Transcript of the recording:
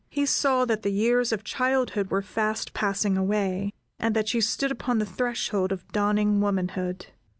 He saw, that the years of childhood were fast passing away, and that she stood upon the threshold of dawning womanhood.